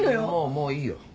もういい。